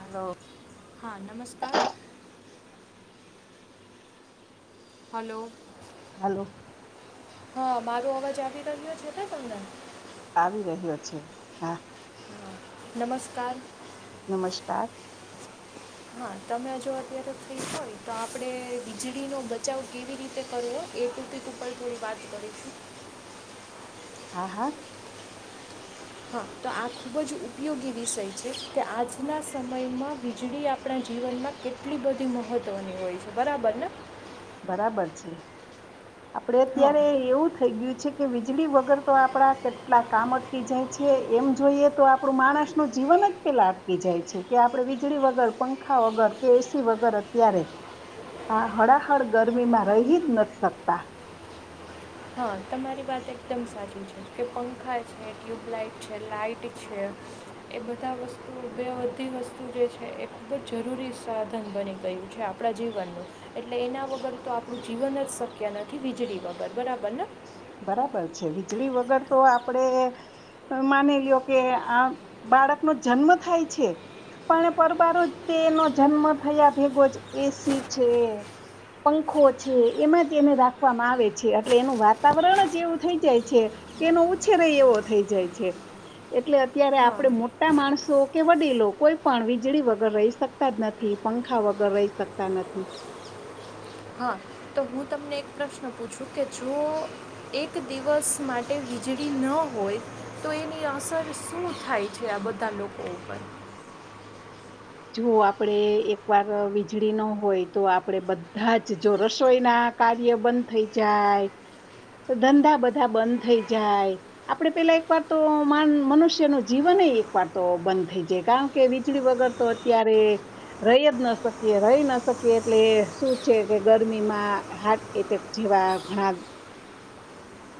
હાલો હા નમસ્કાર hello hello હા મારો અવાજ આવી રહ્યો છે ને તમને આવી રહ્યો છે હા નમસ્કાર નમસ્કાર હા તમે જો અત્યારે થઈ હોય તો આપણેે વીજળીનોો બચાવ કેવી રીતે કરવો એ પ ઉપર થોડી વાત કરીશું હા હા હા તો આ ખૂબ જ ઉપયોગી વિષય છે કે આજના સમયમાં વીજળી આપણા જીવનમાં કેટલી બધી મહત્ત્વની હોય છે બરાબર ને બરાબર છે આપડે હા અત્યારે એવું થઈ ગયું કે વીજળી વગર તો આપડા કેટલા કામ અટકી જાય છે એમ જોઈએ તો આપડું માણસ નું જીવન જ પેલા અટકી જાય છે કે આપડ વીજળી વગર પંખા વગર કે એસી વગર અત્યારે આ હ ગરમીમાં રહી જ નથી શકતા હા તમારી વાત એકદમ સાચી છે કે પંખા છે ટ્યુબલાઇટ છે લાાઈટ છે એ બધા વસ્તુ બે બધી વસ્તુ જે છે એ ખૂબ જ જરૂરી સાધન બની ગયું છે આપણા જીવનનું એટલે એના વગર તો આપણું જીવન જ શક્ય નથી વીજળી વગર બરાબર ને બરાબર છે વીજળી વગર તો આપડે માની લો્યો કે આ બાળકનો જન્મ થાય છે પણ પરબારો તેનો જન્મ થયા ભેગો જ એસી છે પંખો છે એમાં જ એને રાખવામાં આવે છે એટલે એનું વાત વાતાવરણ જ એવું થઈ જાય છે કેનો ઉછેરે એવો થઈ જાય છે એટલે અત્યારે હા આપણે મોટા માણસો કે વડીલો કોઈ પણ વીજળી વગર રહી શકતા જ નથી પંખા વગર રહી શકતા નથી હા તો હું તમને એક પ્રશ્ન પૂછું કે જો એક દિવસ માટે વીજળી ન હોય તો એની અસર શું થાય છે આ બધા લોકો ઉપર જો આપડે એકવાર વીજળી ન હોય તો આપડે બધા જ જો રસોઈ ના કાર્ય બંધ થઈ જાય ધંધા બધા બંધ થઈ જાય આપડે પેલા એક વાર તો મનુષ્ય ન જીવન એકવાર તો બંધ થઈ જાય કારણ કે વીજળી વગર તો ત્યારે રહી જ ન શકીએ રહી ન શકીએ એટલે શું છે કે ગરમીમાં હાર્ટ એટેક જેવા ઘણા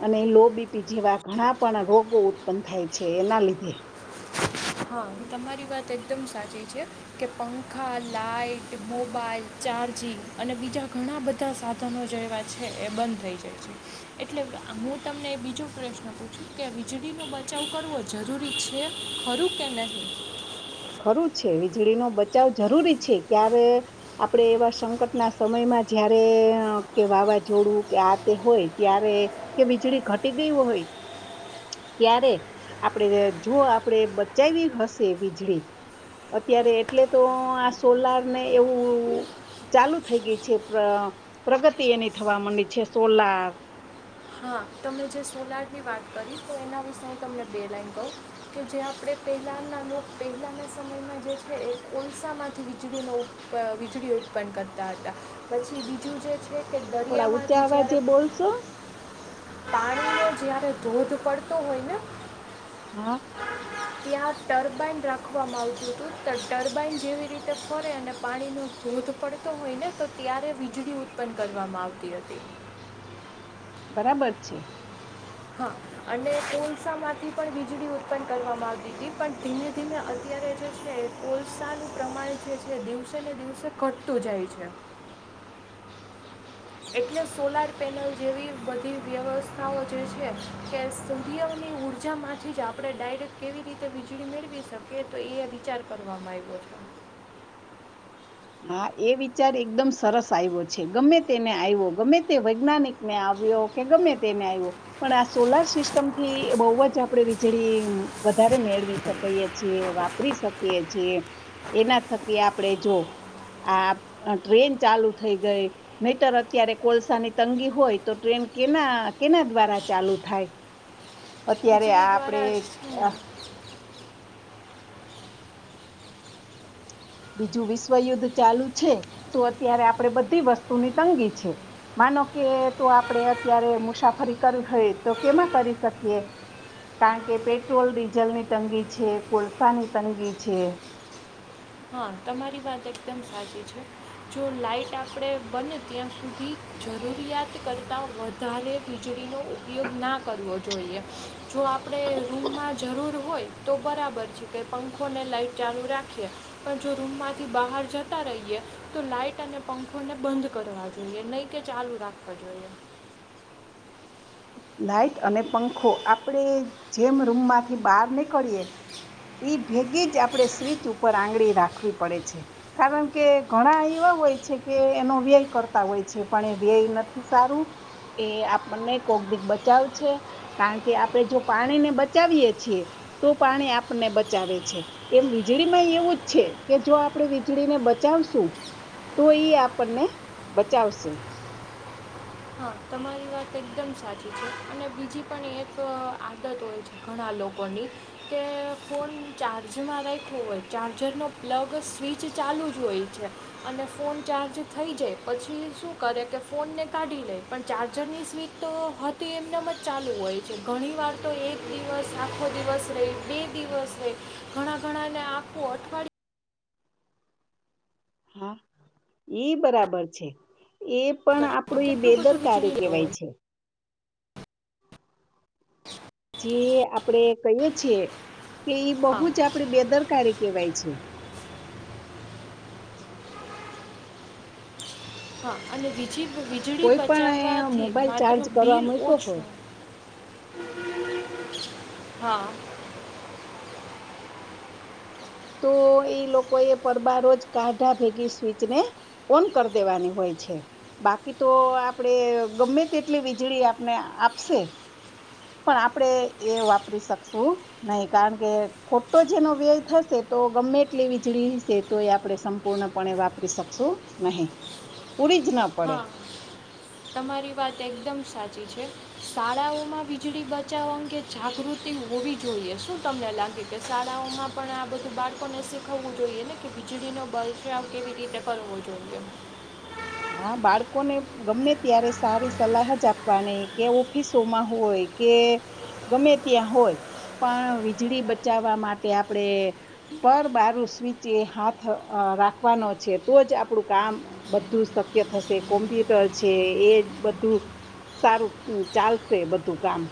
અને લોબીપી જેવા ઘણા પણ રોગો ઉત્પન્ન થાય છે એના લીધે હા તમારી વાત એકદમ સાચી છે કે પંખા લાાઈટ મોબાઈલ ચાર્જિંગ અને બીજા ઘણા બધા સાધનો જે એવા છે એ બંધ થઈ જાય છે એટલે હું તમને બીજો પ્રશ્ન પૂછું કે વીજળીનો બચાવ કરવો જરૂરી છે ખું કે નહી ખરું છે વીજળીનોો બચાવ જરૂરી છે ક્યારે આપણે એવા સંકટના સમયમાં જયારે કે વાવાઝોડું કે આ તે હોય ત્યારે કે વીજળી ઘટી ગય હોય ત્યારે આપણે જો આપણે બચાવી હશે વીજળી અત્યારે એટલે તો આ સોલાર ને એવું ચાલુ થઈ ગય છે પ્રગતિ એની થવા માંડી છે સોલાર હા તમે જે સોલારની વાત કરી તો એના વિશે તમને બે લઇન કહું કે જે આપણે પહેલાંના લોકો પહેલાંના સમયમાં જે છે એ કોલસામાંથી વીજળીનો વીજળી ઉત્પન્ન કરતા હતા પછી બીજું જે છે કે થોડા ઊંચા દરિયામાંથી આવા જે બોલશો પાણી નો જયારે ધોધ પડતો હોય ને [inaudible] ત્યાં ટર્બાાઈન રાખવામાં આવતું હતું તો ટર્બાાઈન જેવી રીતે ફરે અને પાણીનો ધોધ પડતો હોય ને તો ત્યારે વીજળી ઉત્પન્ન કરવામાં આવતી હતી બરાબર છે હા અને કોલસા માંથી પણ વીજળી ઉત્પન્ન કરવામાં આવતી હતી પણ ધીમે ધીમે અત્યારે જે છે કોલસાનુંું પ્રમાણ જે દિવસે ને દિવસે કટ તું જાય છે એટલે સોલાર પેનલ જેવી બધી વ્યવસ્થાઓ જે છે કે સદીની ઉઊર્જામાંથી જ આપણે ડાયરેક્ટ કેવી રીતે વીજળી મેળવી શકીએ તો એ વિચાર કરવામાં આવ્યો છે હા એ વિચાર એકદમ સરસ આવ્યો છે ગમે તેને આવ્યો ગમે તે વૈજ્ઞાનિકને આવ્યો કે ગમે તેને આવ્યો પણ આ સોલાર સિસ્ટમ થી બહુ જ આપણે વીજળી વધારે મેળવી શકીએ છીએ વાપરી શકીએ છીએ એના થકી આપણે જો આ ટ્રેન ચાલુ થઈ ગઈ નહીતર અત્યારે કોલસાની તંગી હોય તો ટ્રેન કેના કેના દ્વારા ચાલુ થાય અત્યારે આ વીજળી આપડે દ્વારા જ શું બીજું વિશ્વયુદ્ધ ચાલુ છે તો અત્યારે આપણે બધી વસ્તુની તંગી છે માનો કે તો આપણે અત્યારે મુસાફરી કરવી હોય તો કેમાં કરી શકીએ કારણ કે પેટ્રોલ ડીઝલની તંગી છે કોલસાની તંગી છે હા તમારી વાત એકદમ સાચી છે જો લાાઈટ આપણે બને ત્યાં સુધી જરૂરિયાત કરતા વધારે વીજળીનો ઉપયોગ ના કરવો જોઈએ જો આપણે રૂમમાં જરૂર હોય તો બરાબર છે કે પંખો ને લાઈટ ચાલુ રાખીએ પણ જો રૂમમાંથી બહાર જતા રહીએ તો લાાઈટ અને પંખોને બંધ કરવા જોઈએ નહીં કે ચાલુ રાખવા જોઈએ લાઈટ અને પંખો આપણે જેમ રૂમમાંથી બહાર નીકળીએ એ ભેગી જ આપણે સ્વચ ઉપર આંગળી રાખવી પડે છે કારણ કે ઘણા એવા હોય છે કે એનો વ્યય કરતા હોય છે પણ એ વ્યય નથી સારું એ આપણને કોક બચાવ છે કારણ કે આપણે જો પાણીને બચાવીય છીએ તો પાણી આપણને બચાવે છે એમ વીજળી માં એવું જ છે કે જો આપણે વીજળીને બચાવશું તો એ આપણને બચાવશે હા તમારી વાત એકદમ સાચી છે અને બીજી પણ એક આદત હોય છે ઘણા લોકોની કે ફોન ચાર્જમાં રાખવો હોય ચાર્જરનો પ્લગ સ્વિચ ચાલુ જ હોય છે અને ફોન ચાર્જ થઈ જાય પછી શું કરે કે ફોનને કાઢી લે પણ ચાર્જરની સ્વીટ તો હતી એમનામ જ ચાલુ હોય છે ઘણી વાર તો એક દિવસ આખો દિવસ રહેહી બે દિવસ રહી ઘણા ઘણા ને આખું અઠવાડિય હા ઈ બરાબર છે એ પણ કરે તો આપણું કેટલું બધું બેદરકારી વીજળી જતો કહેવાય હોય છે એ આપડે કહીએ છીએ કે ઈ બહુ હા જ આપડી બેદરકારી કેવાય છે હા અને બીજી વીજળી કોઈ પણ બચાવવાથી મોબાઈલ માત્ર ચાર્જ કરવા બિલ મૂક્યો હોય ઓછું હા તો એ લોકો એ પરબ રોજ કાઢા ભેગી સ્વીચને ઓન કરી દેવાની હોય છે બાકી તો આપણેે ગમે તેટલી વીજળી આપને આપશે પણ આપણે એ વાપરી શકશું નહીં કારણ કે ખોટો જેનો વ્યય થશે તો ગમેટલી વીજળી છે તો એ આપણે સંપૂર્ણપણે વાપરી શકશું નહીં પૂડી જ ના પડે હા તમારી વાત એકદમ સાચી છે શાળાઓમાં વીજળી બચાવવા અંગે જાગૃતિ હોવી જોઈએ શું તમને લાગે કે શાળાઓમાં પણ આ બધું બાળકોને શીખવવું જોઈએ ને કે વીજળીનો બળફાવ કેવી રીતે કરવો જોઈએ હા બાળકોને ગમે ત્યારે સારી સલાહ જ આપવાની કે ઓફિસોમાં હોય કે ગમે ત્યાં હોય પણ વીજળી બચાવવા માટે આપણેે પર બારું સ્વીચ એ હાથ રાખવાનો છે તો જ આપણું કામ બધું શક્ય થશે કોમ્પ્યુટર છે એ બધું સારું ચાલશે બધું કામ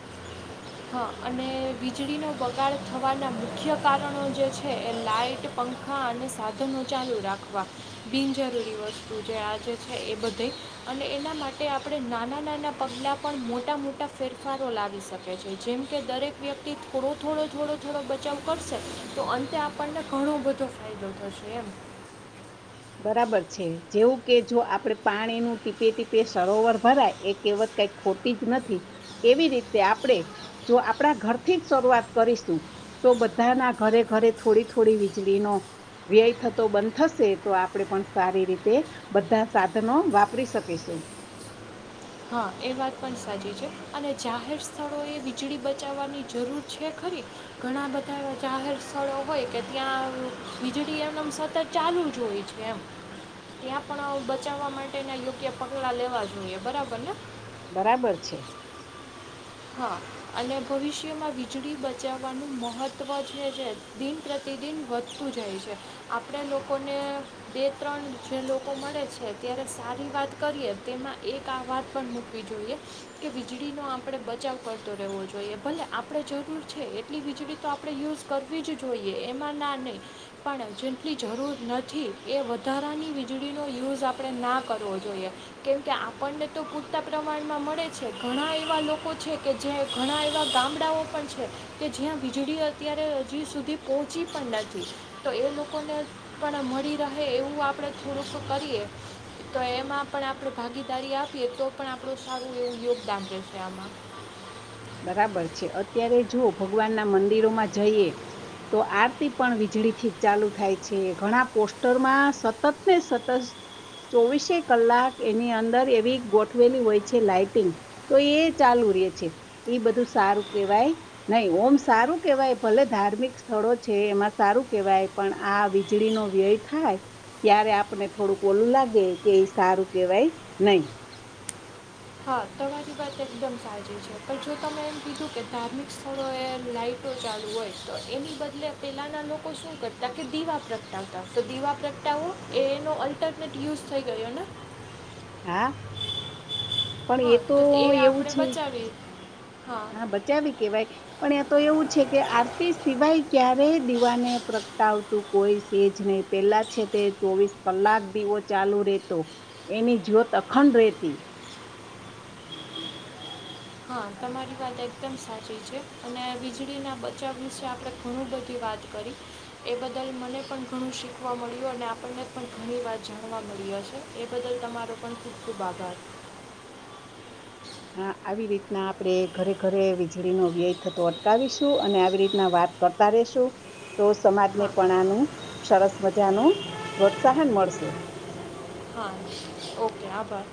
અને વીજળીનો બગાડ થવાના મુખ્ય કારણો જે છે એ લાઇટ પંખા અને સાધનો ચાલુ રાખવા બિનજરૂરી વસ્તુ જે આજે છે એ બધી અને એના માટે આપણે નાના નાના પગલાં પણ મોટા મોટા ફેરફારો લાવી શકીએ છ જેમ કે દરેક વ્યક્તિ થોડો થોડો થોડો થોડો બચાવ કરશે તો અંતે આપણને ઘણો બધો ફાયદો થશે એમ બરાબર છે જેવું કે જો આપણે પાણી ન ટીપે ટીપે સરોવર ભરાય એ કહેવત કઈ ખોટી જ નથી એવી રીતે આપણે જો આપણા ઘરથી જ શરૂઆત કરીશું તો બધાના ઘરે ઘરે થોડી થોડી વીજળીનોો વ્યય થતો બંધ થશે તો આપણે પણ સારી રીતે બધા સાધનો વાપરી શકીશું હા એ વાત પણ સાચી છે અને જાહેર સ્થળો એ વીજળી બચાવવાની જરૂર છે ખરી ઘણા બધા એ જાહેર સ્થળો હોય કે ત્યાં વીજળી એમનેમ સતત ચાલુ જ હોય છે એમ ત્યાં પણ બચાવવા માટેના યોગ્ય પગલાં લેવા જોઈએ બરાબર પણ બરાબર છે હા અને ભવિષ્યમાં વીજળી બચાવવાનું મહત્વ તત્વ છે જે દિન પ્રતિદિન વધતું જાય છે આપણે લોકોને દે ત્રણ જે લોકો મળે છે ત્યારે સારી વાત કરીએ તેમાં એક આ વાત પણ મૂકવી જોઈએ કે વીજળીનો આમ આપણે બચાવ કરતો રહેવો જોઈએ ભલે આપણે જરૂર છે એટલી વીજળી તો આપણે યુઝ કરવી જ જોઈએ એમાં ના નહીં પણ જેટલી જરૂર નથી એ વધારાની વીજળીનો યુઝ આપણે ના કરવો જોઈએ કેમ કે આપણને તો પૂરતા પ્રમાણમાં મળે છે ઘણા એવા લોકો લોકો છે કે જ્યાં ઘણા એવા ગામડાઓ પણ છે કે જ્યાં વીજળી અત્યારે હજી સુધી પહોંચી પણ નથી તો એ લોકોને પણ મળી રહે એવું આપણે થોડુંક કરીએ તો એમાં પણ આપણે ભાગીદારી આપીએ તો પણ આપણું સારું એવું યોગદાન રહેશે આમાં બરાબર છે અત્યારે જો ભગવાનના મંદિરોમાં જઈએ તો આરતી પણ વીજળી થી ચાલુ થાય છે ઘણા પોસ્ટરમાં સતત ને સતત ચોવીસે કલાક એની અંદર એવી ગોઠવેલી હોય છે લાાઈટિંગ તો એ ચાલુ રહેે છે એ બધું સારું કેહેવાય નહીિ ઓમ સારું કેહેવાય ભલે ધાર્મિક સ્થળો છે એમાં સારું કેહેવાય પણ આ વીજળીનોો વ્યય થાય ત્યારે આપને થોડુંક ઓલું લાગે કે એ સારું કેહેવાય નહી હા તમારી વાત એકદમ સાચી છે પણ જો તમે એમ કીધું કે ધાર્મિક સ્થળો એ લાાઈટો ચાલુ હોય તો એની બદલે પેલાના લોકો શું કરતા કે દીવા પ્રગટાવતા તો દીવા પ્રગટાવો એનો અલ્ટરનેટ યુઝ થઈ ગયો ને હા પણ એ હા તો એ એવું આપણે છે બચાવી હા બચાવી કેવાય પણ એ તો એવું છે કે આરતી સિવાય ક્યારે દીવાને પ્રગટાવ કોઈ સજ નહી પેલા છે તે ચોવીસ કલાક દીવો ચાલુ રેતો એની જ્યોત અખંડ રેતી હા તમારી વાત એકદમ સાચી છે અને વીજળીના બચાવ વિશે આપણે ઘણું બધી વાત કરી એ બદલ મને પણ ઘણું શીખવા મળ્યું અને આપણને પણ ઘણી વાત જાણવા મળી છે એ બદલ તમારો પણ ખૂબ ખૂબ આભાર હા આવી રીતના આપણે ઘરે ઘરે વીજળીનોો વ્યય થતો અટકાવીશું અને આવી રીતના વાત કરતા રશું તો સમાજ ને હા પણ આનું સરસ મજા ન પ્રોત્સાહન મળશે હા ઓકે આભાર